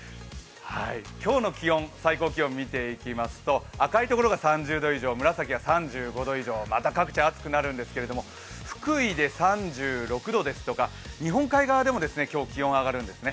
今日の最高気温見ていきますと、赤いところが３０度以上、紫が３５度以上、また各地暑くなるんですけれども福井で３６度ですとか日本海側でも今日は気温が上がるんですね。